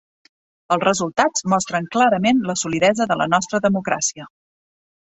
Els resultats mostren clarament la solidesa de la nostra democràcia.